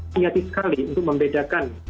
tinggati sekali untuk membedakan